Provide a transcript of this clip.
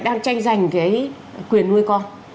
đang tranh giành cái quyền nuôi con